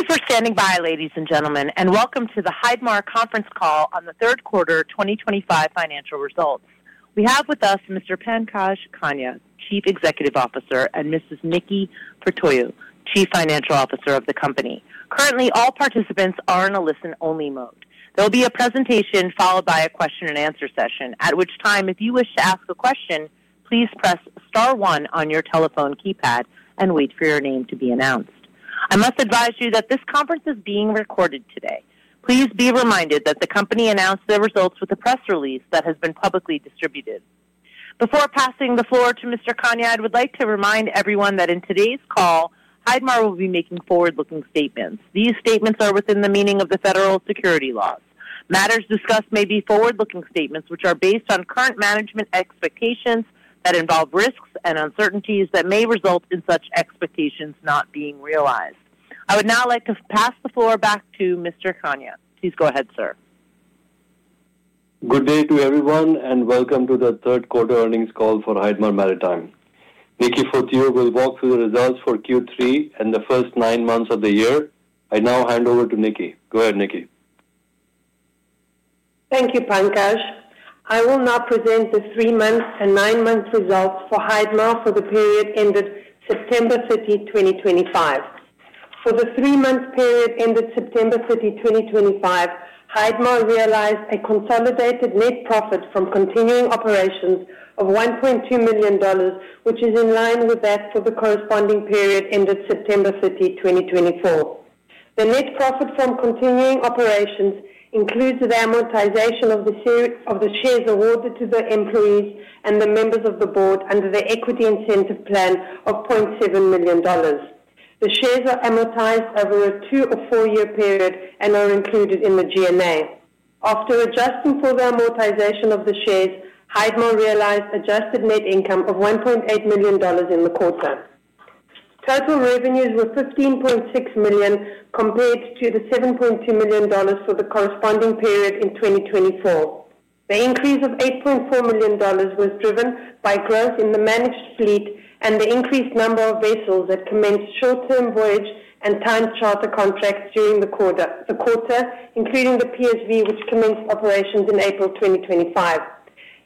Thank you for standing by, ladies and gentlemen, and welcome to the Heidmar conference call on the third quarter 2025 financial results. We have with us Mr. Pankaj Khanna, Chief Executive Officer, and Mrs. Niki Fotiou, Chief Financial Officer of the company. Currently, all participants are in a listen-only mode. There'll be a presentation followed by a question-and-answer session, at which time, if you wish to ask a question, please press star one on your telephone keypad and wait for your name to be announced. I must advise you that this conference is being recorded today. Please be reminded that the company announced the results with a press release that has been publicly distributed. Before passing the floor to Mr. Khanna, I would like to remind everyone that in today's call, Heidmar will be making forward-looking statements. These statements are within the meaning of the federal security laws. Matters discussed may be forward-looking statements which are based on current management expectations that involve risks and uncertainties that may result in such expectations not being realized. I would now like to pass the floor back to Mr. Khanna. Please go ahead, sir. Good day to everyone, and welcome to the third quarter earnings call for Heidmar Maritime. Niki Fotiou will walk through the results for Q3 and the first nine months of the year. I now hand over to Niki. Go ahead, Niki. Thank you, Pankaj. I will now present the three-month and nine-month results for Heidmar for the period ended September 30, 2025. For the three-month period ended September 30, 2025, Heidmar realized a consolidated net profit from continuing operations of $1.2 million, which is in line with that for the corresponding period ended September 30, 2024. The net profit from continuing operations includes the amortization of the shares awarded to the employees and the members of the board under the equity incentive plan of $0.7 million. The shares are amortized over a two or four-year period and are included in the G&A. After adjusting for the amortization of the shares, Heidmar realized adjusted net income of $1.8 million in the quarter. Total revenues were $15.6 million compared to the $7.2 million for the corresponding period in 2024. The increase of $8.4 million was driven by growth in the managed fleet and the increased number of vessels that commenced short-term voyage and timed charter contracts during the quarter, including the PSV, which commenced operations in April 2025.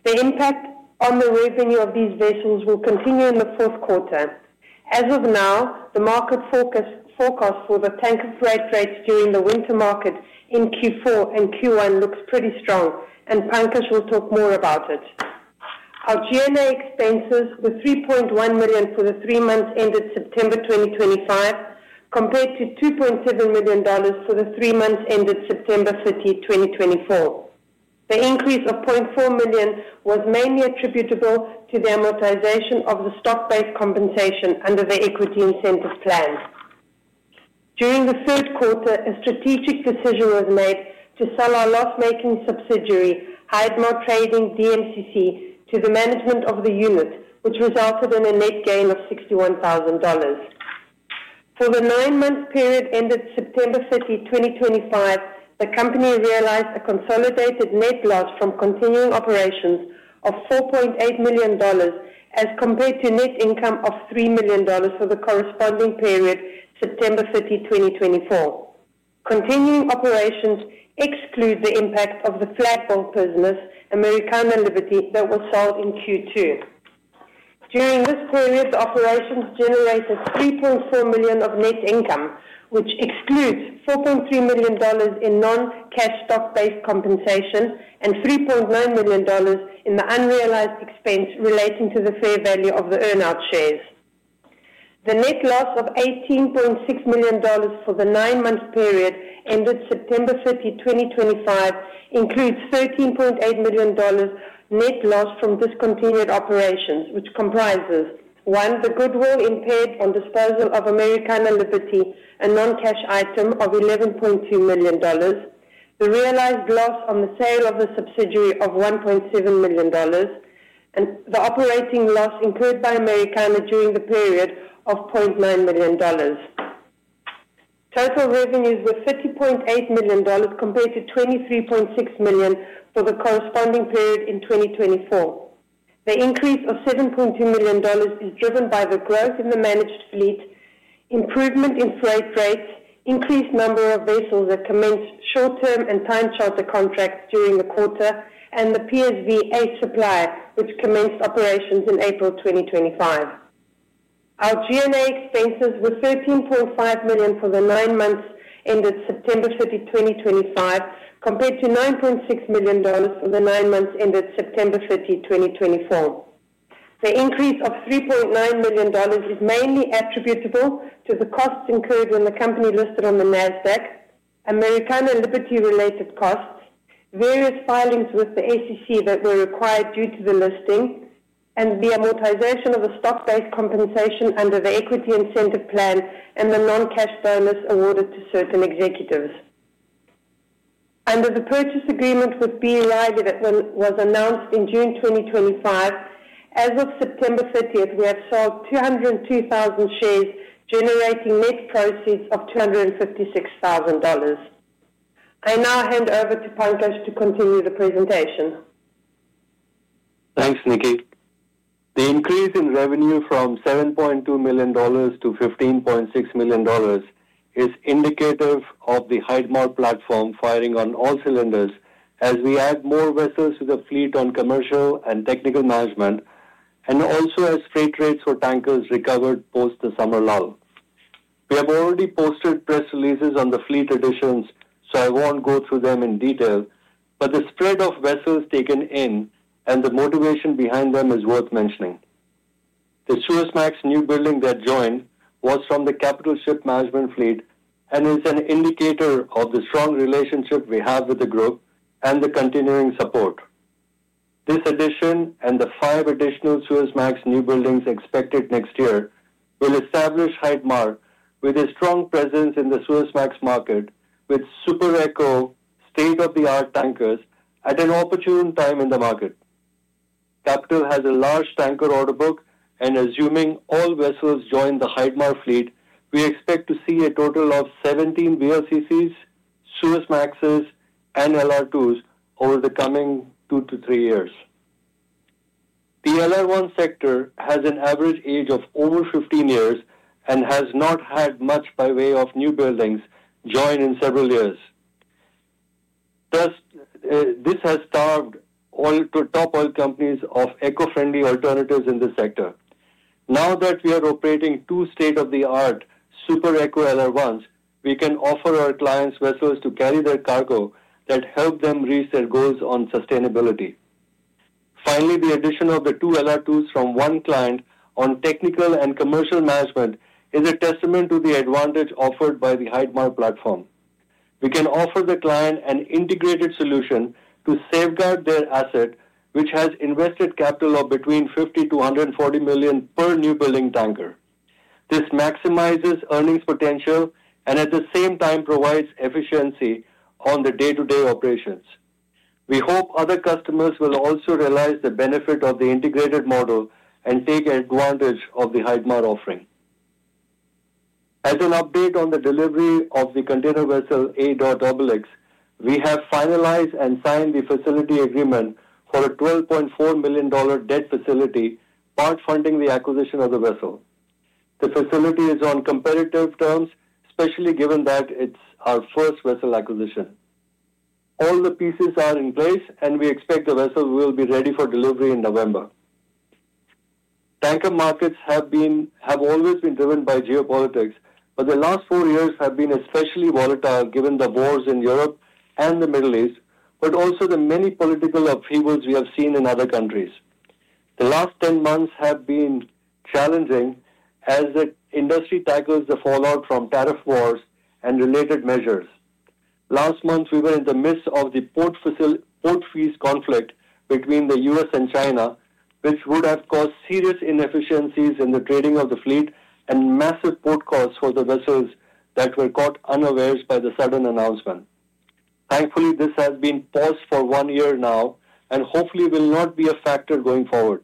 The impact on the revenue of these vessels will continue in the fourth quarter. As of now, the market forecast for the tanker freight rates during the winter market in Q4 and Q1 looks pretty strong, and Pankaj will talk more about it. Our G&A expenses were $3.1 million for the three months ended September 2025, compared to $2.7 million for the three months ended September 30, 2024. The increase of $0.4 million was mainly attributable to the amortization of the stock-based compensation under the equity incentive plan. During the third quarter, a strategic decision was made to sell our loss-making subsidiary, Heidmar Trading DMCC, to the management of the unit, which resulted in a net gain of $61,000. For the nine-month period ended September 30, 2025, the company realized a consolidated net loss from continuing operations of $4.8 million as compared to net income of $3 million for the corresponding period September 30, 2024. Continuing operations exclude the impact of the flag boat business, Americana Liberty, that was sold in Q2. During this period, operations generated $3.4 million of net income, which excludes $4.3 million in non-cash stock-based compensation and $3.9 million in the unrealized expense relating to the fair value of the earnout shares. The net loss of $18.6 million for the nine-month period ended September 30, 2025, includes $13.8 million net loss from discontinued operations, which comprises: one, the goodwill impaired on disposal of Americana Liberty, a non-cash item of $11.2 million; the realized loss on the sale of the subsidiary of $1.7 million; and the operating loss incurred by Americana during the period of $0.9 million. Total revenues were $30.8 million compared to $23.6 million for the corresponding period in 2024. The increase of $7.2 million is driven by the growth in the managed fleet, improvement in freight rates, increased number of vessels that commenced short-term and timed charter contracts during the quarter, and the PSV A supply, which commenced operations in April 2025. Our G&A expenses were $13.5 million for the nine months ended September 30, 2025, compared to $9.6 million for the nine months ended September 30, 2024. The increase of $3.9 million is mainly attributable to the costs incurred when the company listed on the NASDAQ, Americana Liberty-related costs, various filings with the SEC that were required due to the listing, and the amortization of the stock-based compensation under the equity incentive plan and the non-cash bonus awarded to certain executives. Under the purchase agreement with BEY that was announced in June 2025, as of September 30, we have sold 202,000 shares, generating net proceeds of $256,000. I now hand over to Pankaj to continue the presentation. Thanks, Niki. The increase in revenue from $7.2 million to $15.6 million is indicative of the Heidmar platform firing on all cylinders as we add more vessels to the fleet on commercial and technical management, and also as freight rates for tankers recovered post the summer lull. We have already posted press releases on the fleet additions, so I won't go through them in detail, but the spread of vessels taken in and the motivation behind them is worth mentioning. The Suezmax new building that joined was from the Capital Ship Management fleet and is an indicator of the strong relationship we have with the group and the continuing support. This addition and the five additional Suezmax new buildings expected next year will establish Heidmar with a strong presence in the Suezmax market, with super eco state-of-the-art tankers at an opportune time in the market. Capital has a large tanker order book, and assuming all vessels join the Heidmar fleet, we expect to see a total of 17 VLCCs, Suezmaxes, and LR2s over the coming two to three years. The LR1 sector has an average age of over 15 years and has not had much by way of new buildings join in several years. This has starved all top oil companies of eco-friendly alternatives in the sector. Now that we are operating two state-of-the-art super eco LR1s, we can offer our clients vessels to carry their cargo that help them reach their goals on sustainability. Finally, the addition of the two LR2s from one client on technical and commercial management is a testament to the advantage offered by the Heidmar platform. We can offer the client an integrated solution to safeguard their asset, which has invested capital of between $50 million-$140 million per new building tanker. This maximizes earnings potential and at the same time provides efficiency on the day-to-day operations. We hope other customers will also realize the benefit of the integrated model and take advantage of the Heidmar offering. As an update on the delivery of the container vessel ADOR XX, we have finalized and signed the facility agreement for a $12.4 million debt facility, part funding the acquisition of the vessel. The facility is on competitive terms, especially given that it's our first vessel acquisition. All the pieces are in place, and we expect the vessel will be ready for delivery in November. Tanker markets have always been driven by geopolitics, but the last four years have been especially volatile given the wars in Europe and the Middle East, but also the many political upheavals we have seen in other countries. The last 10 months have been challenging as the industry tackles the fallout from tariff wars and related measures. Last month, we were in the midst of the port fees conflict between the U.S. and China, which would have caused serious inefficiencies in the trading of the fleet and massive port costs for the vessels that were caught unawares by the sudden announcement. Thankfully, this has been paused for one year now and hopefully will not be a factor going forward.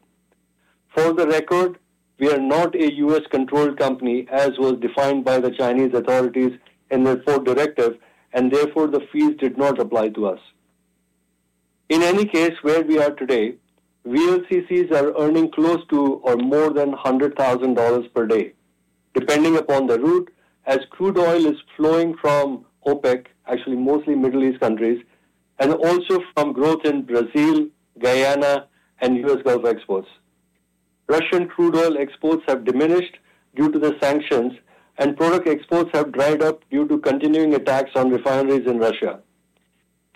For the record, we are not a U.S.-controlled company as was defined by the Chinese authorities in their port directive, and therefore the fees did not apply to us. In any case, where we are today, VLCCs are earning close to or more than $100,000 per day, depending upon the route, as crude oil is flowing from OPEC, actually mostly Middle East countries, and also from growth in Brazil, Guyana, and US Gulf exports. Russian crude oil exports have diminished due to the sanctions, and product exports have dried up due to continuing attacks on refineries in Russia.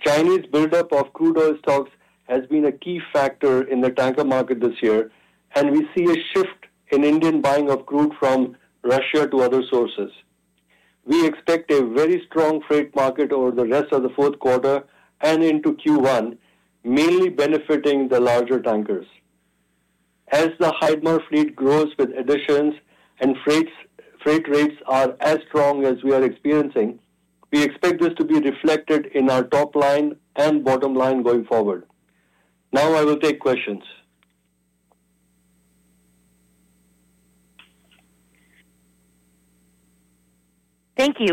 Chinese buildup of crude oil stocks has been a key factor in the tanker market this year, and we see a shift in Indian buying of crude from Russia to other sources. We expect a very strong freight market over the rest of the fourth quarter and into Q1, mainly benefiting the larger tankers. As the Heidmar fleet grows with additions and freight rates are as strong as we are experiencing, we expect this to be reflected in our top line and bottom line going forward. Now I will take questions. Thank you.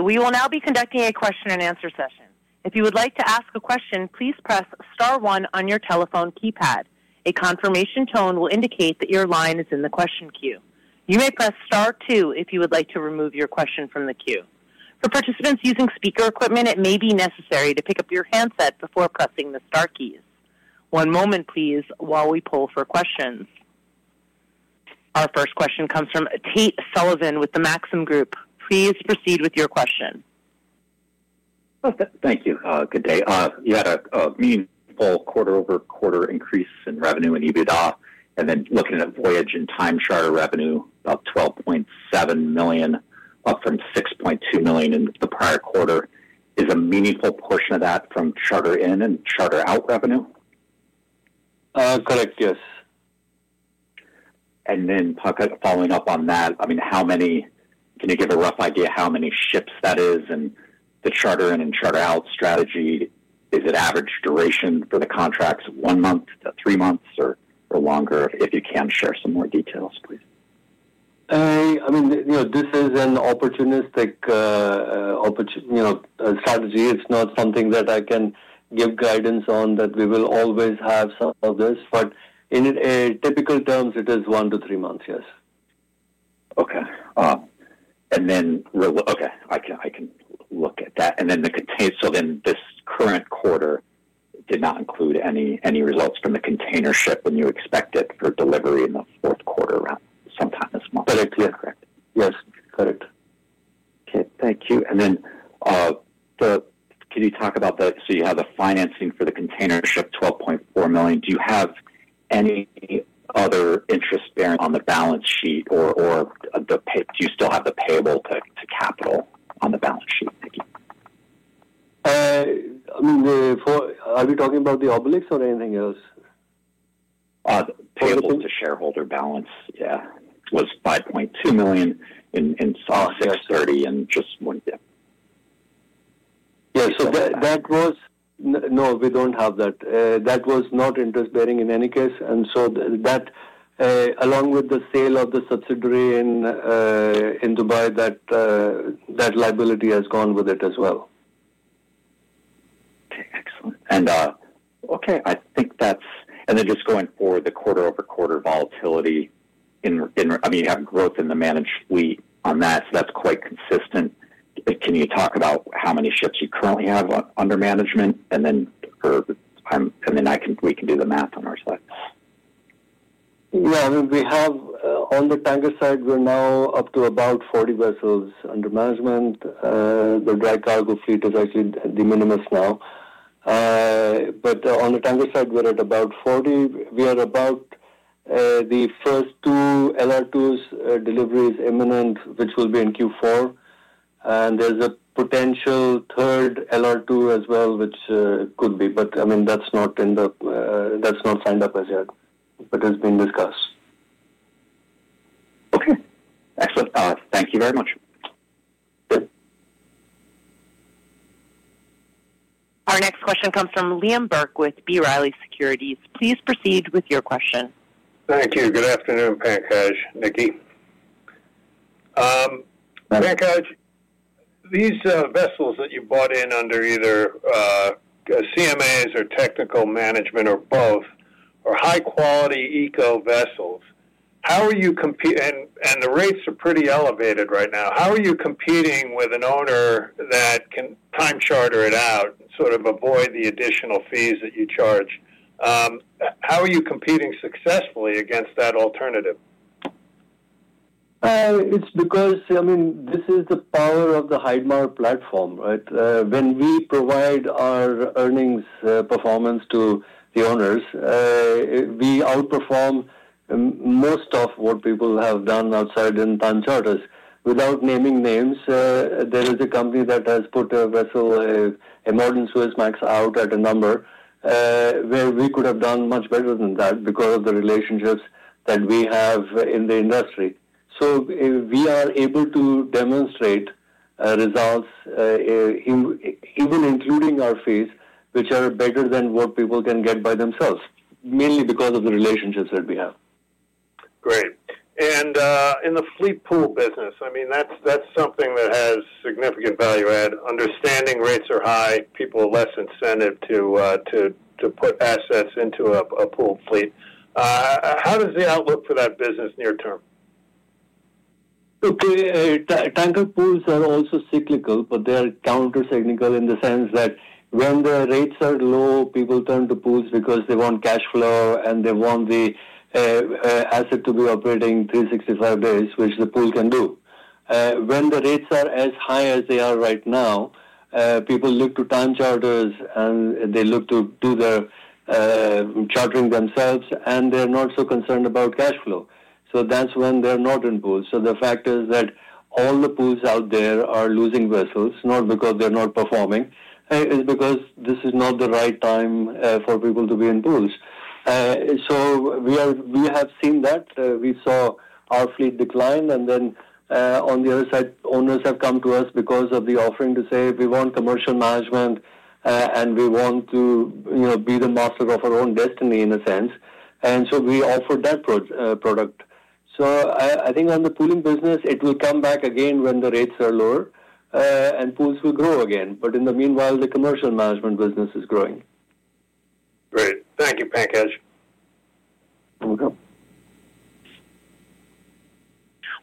We will now be conducting a question-and-answer session. If you would like to ask a question, please press star one on your telephone keypad. A confirmation tone will indicate that your line is in the question queue. You may press star two if you would like to remove your question from the queue. For participants using speaker equipment, it may be necessary to pick up your handset before pressing the star keys. One moment, please, while we pull for questions. Our first question comes from Tate Sullivan with Maxim Group. Please proceed with your question. Thank you. Good day. You had a meaningful quarter-over-quarter increase in revenue in EBITDA, and then looking at voyage and timed charter revenue, about $12.7 million, up from $6.2 million in the prior quarter. Is a meaningful portion of that from charter-in and charter-out revenue? Correct, yes. Following up on that, I mean, can you give a rough idea how many ships that is? The charter-in and charter-out strategy, is it average duration for the contracts, one month to three months, or longer? If you can share some more details, please. I mean, this is an opportunistic strategy. It's not something that I can give guidance on that we will always have some of this, but in typical terms, it is one to three months, yes. Okay. Okay, I can look at that. And then the container, so then this current quarter did not include any results from the container ship, and you expect it for delivery in the fourth quarter around sometime this month. Is that correct? Yes, correct. Okay, thank you. Can you talk about the, so you have the financing for the container ship, $12.4 million. Do you have any other interest bearing on the balance sheet or do you still have the payable to Capital on the balance sheet? I mean, are we talking about the Obelix or anything else? Payable to shareholder balance, yeah. Was $5.2 million in 6/30 and just one year. Yeah, so that was no, we don't have that. That was not interest bearing in any case. That, along with the sale of the subsidiary in Dubai, that liability has gone with it as well. Okay, excellent. Okay, I think that's, and then just going for the quarter-over-quarter volatility, I mean, you have growth in the managed fleet on that, so that's quite consistent. Can you talk about how many ships you currently have under management? I mean, we can do the math on our side. Yeah, I mean, we have on the tanker side, we're now up to about 40 vessels under management. The dry cargo fleet is actually the minimum now. On the tanker side, we're at about 40. We are about the first two LR2s, delivery is imminent, which will be in Q4. There's a potential third LR2 as well, which could be, I mean, that's not signed up as yet, but it's being discussed. Okay, excellent. Thank you very much. Good. Our next question comes from Liam Burke with B. Riley Securities. Please proceed with your question. Thank you. Good afternoon, Pankaj, Niki. Pankaj, these vessels that you bought in under either CMAs or technical management or both are high-quality eco vessels. How are you competing, and the rates are pretty elevated right now. How are you competing with an owner that can timed charter it out and sort of avoid the additional fees that you charge? How are you competing successfully against that alternative? It's because, I mean, this is the power of the Heidmar platform, right? When we provide our earnings performance to the owners, we outperform most of what people have done outside in timed charters. Without naming names, there is a company that has put a vessel, a modern Suezmax out at a number where we could have done much better than that because of the relationships that we have in the industry. We are able to demonstrate results, even including our fees, which are better than what people can get by themselves, mainly because of the relationships that we have. Great. In the fleet pool business, I mean, that's something that has significant value-add. Understanding rates are high, people have less incentive to put assets into a pool fleet. How does the outlook for that business near term? Tanker pools are also cyclical, but they are counter-cyclical in the sense that when the rates are low, people turn to pools because they want cash flow and they want the asset to be operating 365 days, which the pool can do. When the rates are as high as they are right now, people look to timed charters and they look to do their chartering themselves, and they're not so concerned about cash flow. That is when they're not in pools. The fact is that all the pools out there are losing vessels, not because they're not performing. It's because this is not the right time for people to be in pools. We have seen that. We saw our fleet decline, and then on the other side, owners have come to us because of the offering to say, "We want commercial management, and we want to be the master of our own destiny in a sense." We offered that product. I think on the pooling business, it will come back again when the rates are lower, and pools will grow again. In the meanwhile, the commercial management business is growing. Great. Thank you, Pankaj. You're welcome.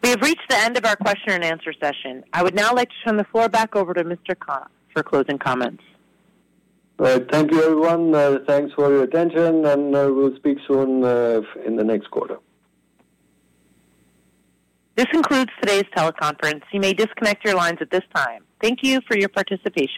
We have reached the end of our question-and-answer session. I would now like to turn the floor back over to Mr. Khanna for closing comments. All right, thank you, everyone. Thanks for your attention, and we'll speak soon in the next quarter. This concludes today's teleconference. You may disconnect your lines at this time. Thank you for your participation.